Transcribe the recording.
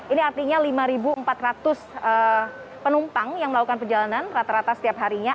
ini artinya lima empat ratus penumpang yang melakukan perjalanan rata rata setiap harinya